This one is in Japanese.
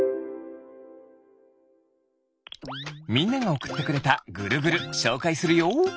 みんながおくってくれたぐるぐるしょうかいするよ。